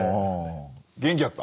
元気やった？